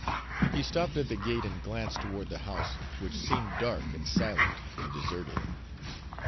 He stopped at the gate and glanced toward the house, which seemed dark and silent and deserted.